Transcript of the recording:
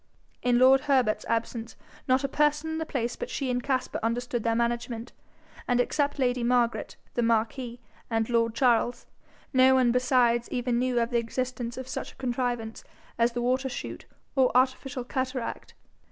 In lord Herbert's absence not a person in the place but she and Caspar understood their management, and except lady Margaret, the marquis, and lord Charles, no one besides even knew of the existence of such a contrivance as the water shoot or artificial cataract.